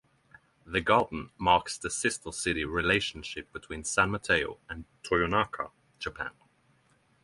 The garden marks the sister-city relationship between San Mateo and Toyonaka, Japan.